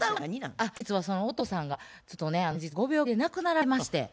あっ実はそのお父さんがちょっとね先日ご病気で亡くなられまして。